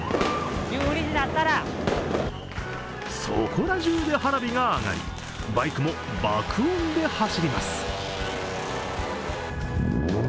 そこら中で花火が上がりバイクも爆音で走ります。